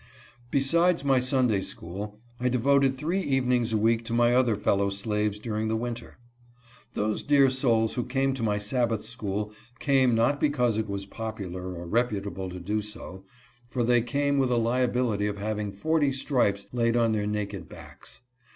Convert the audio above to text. Besides my Sunday school, I devoted three evenings a week to my other fellow slaves during the winter. Those dear souls who came to my Sabbath school came not because it was popular or reputable to do so, for they came with a liability of having forty stripes laid on their naked backs.